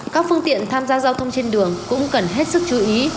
các phương tiện tham gia giao thông trên đường cũng cần hết sức chú ý